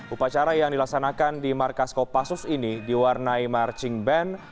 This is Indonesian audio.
upacara yang dilaksanakan di markas kopassus ini diwarnai marching band